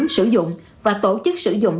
sử dụng và tổ chức sử dụng